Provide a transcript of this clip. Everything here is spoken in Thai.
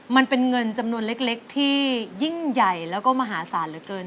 มันเป็นเงินจำนวนเล็กที่ยิ่งใหญ่แล้วก็มหาศาลเหลือเกิน